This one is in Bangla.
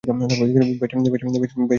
বেশ, তুমি খেলতে চাও তো?